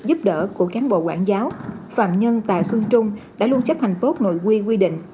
giúp đỡ của cán bộ quản giáo phạm nhân tạ xuân trung đã luôn chấp hành tốt nội quy quy định